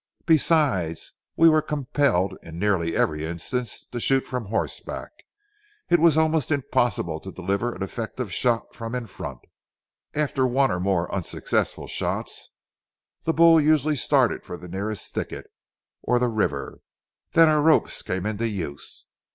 Besides, as we were compelled in nearly every instance to shoot from horseback, it was almost impossible to deliver an effective shot from in front. After one or more unsuccessful shots, the bull usually started for the nearest thicket, or the river; then our ropes came into use.